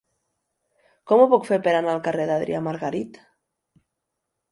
Com ho puc fer per anar al carrer d'Adrià Margarit?